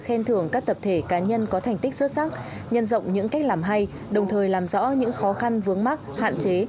khen thưởng các tập thể cá nhân có thành tích xuất sắc nhân rộng những cách làm hay đồng thời làm rõ những khó khăn vướng mắc hạn chế